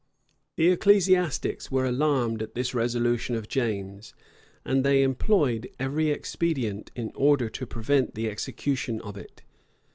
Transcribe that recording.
The ecclesiastics were alarmed at this resolution of James, and they employed every expedient in order to prevent the execution of it.